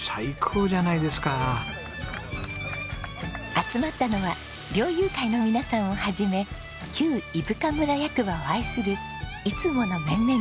集まったのは猟友会の皆さんを始め旧伊深村役場を愛するいつもの面々です。